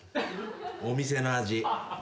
お店の味。